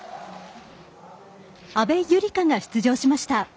阿部友里香が出場しました。